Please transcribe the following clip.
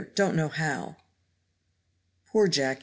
don't know how!" "Poor Jacky!